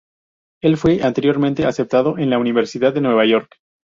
Él fue anteriormente aceptado en la Universidad de Nueva York.